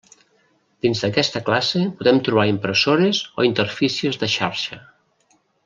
Dins d'aquesta classe podem trobar impressores o interfícies de xarxa.